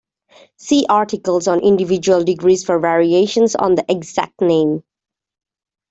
See articles on individual degrees for variations on the exact name.